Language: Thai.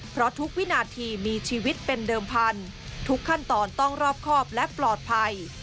เพราะทุกวินาทีมีชีวิตเป็นเดิมพันธุ์ทุกขั้นตอนต้องรอบครอบและปลอดภัย